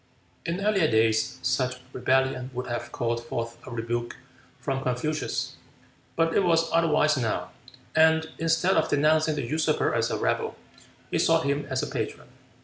In earlier days such rebellion would have called forth a rebuke from Confucius; but it was otherwise now, and, instead of denouncing the usurper as a rebel, he sought him as a patron.